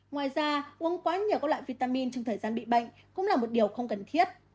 ngoài ra uống quá nhiều các loại vitamin trong thời gian bị bệnh cũng là một điều không cần thiết